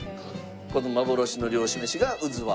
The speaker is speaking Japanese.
この幻の漁師めしがうずわ。